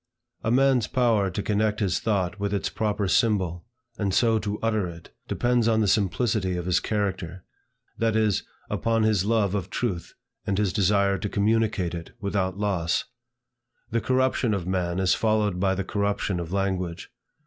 A man's power to connect his thought with its proper symbol, and so to utter it, depends on the simplicity of his character, that is, upon his love of truth, and his desire to communicate it without loss. The corruption of man is followed by the corruption of language.